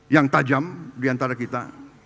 yang tajam diantara kita